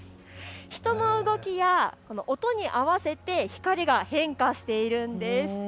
人の動きや音に合わせて光が変化しているんです。